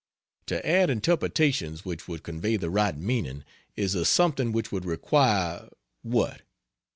To add interpretations which would convey the right meaning is a something which would require what?